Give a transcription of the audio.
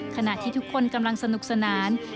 ขณะที่ทุกคนกำลังสนุกสนาน